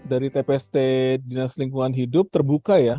dari tpst dinas lingkungan hidup terbuka ya